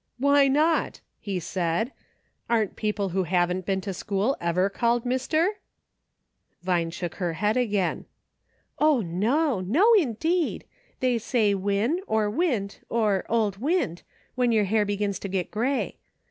"Why not?" he said. "Aren't people who haven't been to school ever called mister ?" Vine shook her head again. " O, no !— no indeed ; they say * Win,' or * Wint,' and * Old Wint,' when your hair begins to get gray.